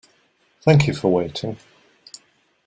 Thank you for waiting.